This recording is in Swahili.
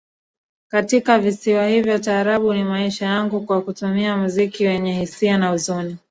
katika visiwa hivyo Taarabu ni maisha yangu Kwa kutumia muziki wenye hisia na huzuni